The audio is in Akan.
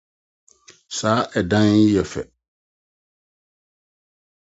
Saa ɔdan yi yɛ fɛ.